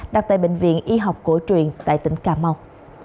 đặt tại bệnh viện y học cổ truyền tại tỉnh cà mau